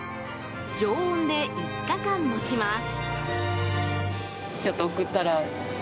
常温で５日間もちます。